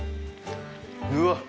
うわっ！